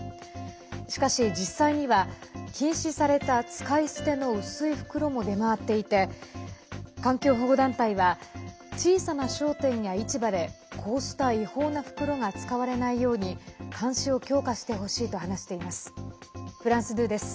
しかし実際には、禁止された使い捨ての薄い袋も出回っていて環境保護団体は小さな商店や市場でこうした違法な袋が使われないように監視を強化してほしいと話しています。